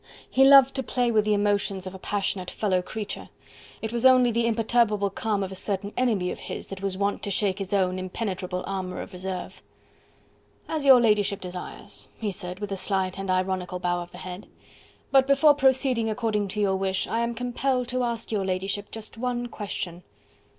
He loved to play with the emotions of a passionate fellow creature: it was only the imperturbable calm of a certain enemy of his that was wont to shake his own impenetrable armour of reserve. "As your ladyship desires," he said, with a slight and ironical bow of the head. "But before proceeding according to your wish, I am compelled to ask your ladyship just one question."